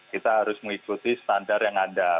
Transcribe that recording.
kita harus mengikuti standar yang ada